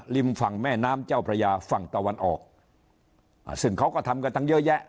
ริมฝั่งแม่น้ำเจ้าพระยาฝั่งตะวันออกอ่าซึ่งเขาก็ทำกันตั้งเยอะแยะ